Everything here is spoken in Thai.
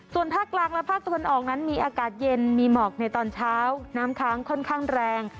ส่วนภาคกลางและภาคตะวันออกนั้นมีอากาศเย็นมีหมอกในตอนเช้าน้ำค้างค่อนข้างแรง